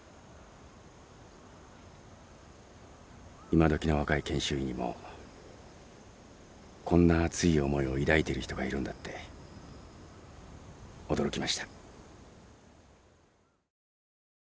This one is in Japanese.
今どきの若い研修医にもこんな熱い思いを抱いてる人がいるんだって驚きました。